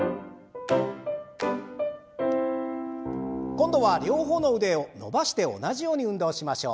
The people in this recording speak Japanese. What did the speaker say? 今度は両方の腕を伸ばして同じように運動をしましょう。